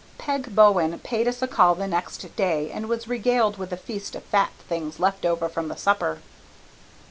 Peg Bowen paid us a call the next day and was regaled with a feast of fat things left over from the supper.